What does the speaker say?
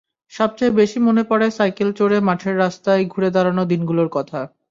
সবচেয়ে বেশি মনে পড়ে সাইকেল চড়ে মাঠের রাস্তায় ঘুরে বেড়ানো দিনগুলোর কথা।